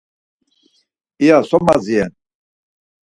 İya so madziren?